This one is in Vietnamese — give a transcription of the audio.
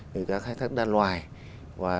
nghề cá khai thác đa loài và